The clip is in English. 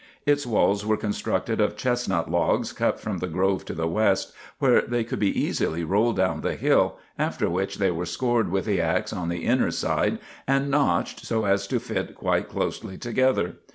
Its walls were constructed of chestnut logs cut from the grove to the west, where they could be easily rolled down the hill, after which they were scored with the ax on the inner side, and notched so as to fit quite closely together.